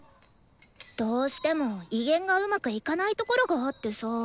どうしても移弦がうまくいかないところがあってさ。